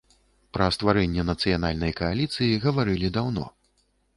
Пра стварэнне нацыянальнай кааліцыі гаварылі даўно.